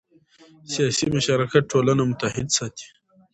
سیاسي مشارکت ټولنه متحد ساتي